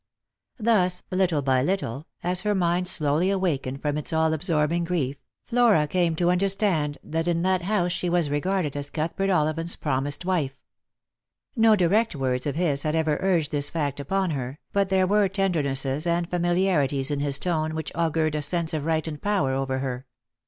Thus, little by little, as her mind slowly awakened from its all absorbing grief, Flora came to understand that in that house she was regarded as Cuthbert Ollivant's promised wife. No direct words of his had ever urged this fact upon her, but there were tendernesses and familiarities in his tone which augured a sense of right and power over her.